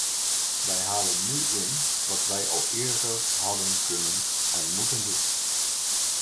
Wij halen nu in wat wij al eerder hadden kunnen, en moeten, doen.